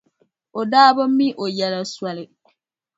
O daa bi mi o yɛla soli.